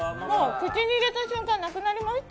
口に入れた瞬間、なくなりました。